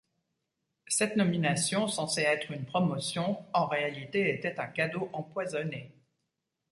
Cette nomination, censée être une promotion, en réalité était un cadeau empoisonné.